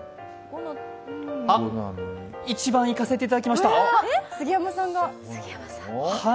あっ、１番いかせていただきました。